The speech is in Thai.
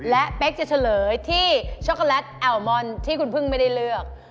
และเป๊กจะเฉลยที่ช็อกโกแลตแอลมอนที่คุณพึ่งไม่ได้เลือก